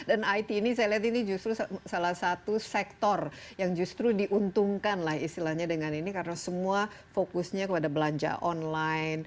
dan it ini saya lihat ini justru salah satu sektor yang justru diuntungkan lah istilahnya dengan ini karena semua fokusnya kepada belanja online